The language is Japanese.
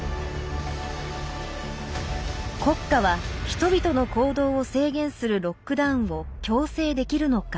国家は人々の行動を制限するロックダウンを強制できるのか。